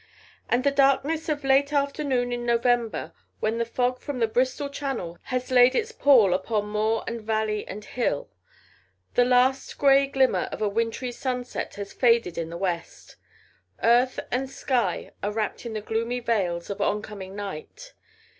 And the darkness of late afternoon in November, when the fog from the Bristol Channel has laid its pall upon moor and valley and hill: the last grey glimmer of a wintry sunset has faded in the west: earth and sky are wrapped in the gloomy veils of oncoming night.